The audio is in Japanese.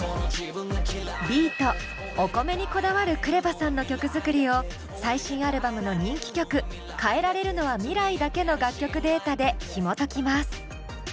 ビート・お米にこだわるＫＲＥＶＡさんの曲作りを最新アルバムの人気曲「変えられるのは未来だけ」の楽曲データでひもときます。